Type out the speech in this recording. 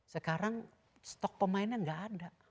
sekarang stok pemainnya nggak ada